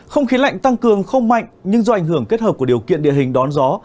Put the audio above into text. không khí lạnh tăng cường không mạnh nhưng do ảnh hưởng kết hợp của điều kiện địa hình đón gió